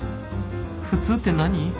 普通って何？